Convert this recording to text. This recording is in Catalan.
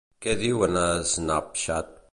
Què diuen a Snapchat?